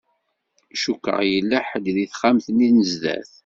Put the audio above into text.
Cukkeɣ yella ḥedd deg texxamt-nni n zdat.